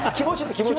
気持ち。